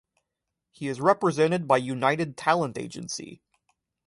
He is represented by United Talent Agency.